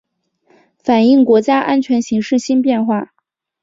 反映国家安全形势新变化